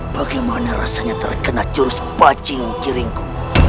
bagaimana rasanya terkena jurus pajingkiringku